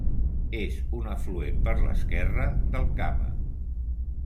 És un afluent per l'esquerra del Kama.